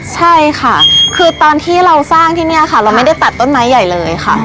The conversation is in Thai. ใช่ค่ะคือตอนที่เราสร้างที่นี่ค่ะเราไม่ได้ตัดต้นไม้ใหญ่เลยค่ะ